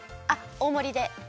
あっ大もりで。